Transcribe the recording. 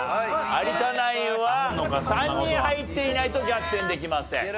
有田ナインは３人入っていないと逆転できません。